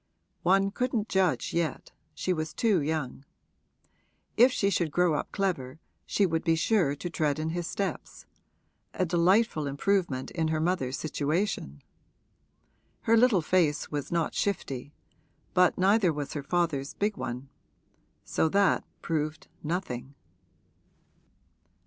One couldn't judge yet she was too young. If she should grow up clever she would be sure to tread in his steps a delightful improvement in her mother's situation! Her little face was not shifty, but neither was her father's big one: so that proved nothing.